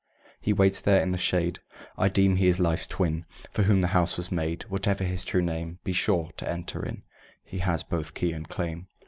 He waits there in the shade. I deem he is Life's twin, For whom the house was made. Whatever his true name, Be sure, to enter in He has both key and claim.